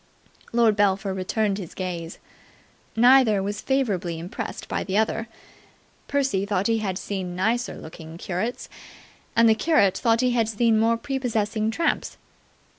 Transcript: Lord Belpher returned his gaze. Neither was favourably impressed by the other. Percy thought he had seen nicer looking curates, and the curate thought he had seen more prepossessing tramps.